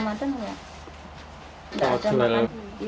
kalau bulan ramadan enggak